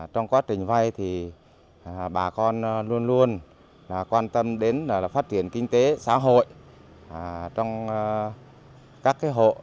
trong quá trình vay thì bà con luôn luôn quan tâm đến phát triển kinh tế xã hội trong các hộ